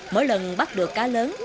mỗi lần bắt được cá lớn